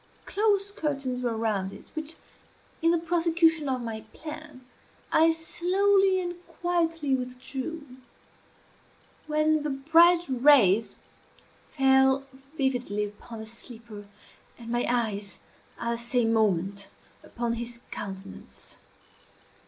Close curtains were around it, which, in the prosecution of my plan, I slowly and quietly withdrew, when the bright rays fell vividly upon the sleeper, and my eyes at the same moment upon his countenance.